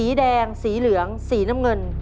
สีแดงสีเหลืองสีน้ำเงิน